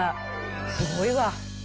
すごいわ。